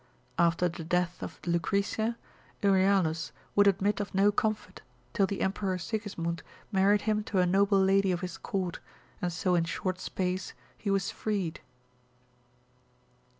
After the death of Lucretia, Euryalus would admit of no comfort, till the Emperor Sigismund married him to a noble lady of his court, and so in short space he was freed.